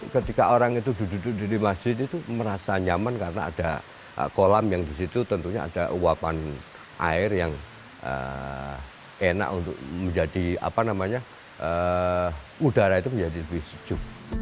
ketika orang itu duduk di masjid itu merasa nyaman karena ada kolam yang di situ tentunya ada uapan air yang enak untuk menjadi apa namanya udara itu menjadi lebih sejuk